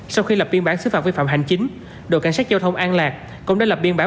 sau khi lập biên bản xứ phạt vi phạm hành chính đội cảnh sát giao thông an lạc cũng đã lập biên bản